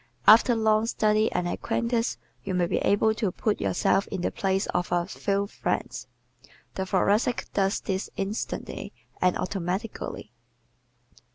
After long study and acquaintance you may be able to put yourself in the place of a few friends. The Thoracic does this instantly and automatically.